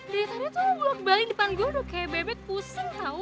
dari tadi lo bulat balik depan gue udah kayak bebek pusing tau